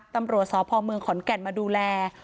ตำรวจสพเมืองขอนแก่นมาดูแล